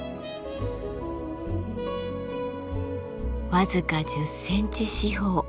僅か１０センチ四方。